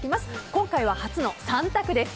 今回は初の３択です。